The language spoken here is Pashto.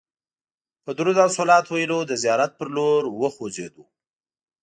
په درود او صلوات ویلو د زیارت پر لور وخوځېدو.